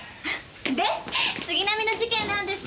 で杉並の事件なんですけど。